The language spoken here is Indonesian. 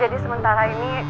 jadi sementara ini